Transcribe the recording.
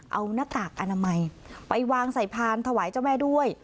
เอาหน้ากากอนามัยไปวางใส่พานถวายเจ้าแม่ด้วย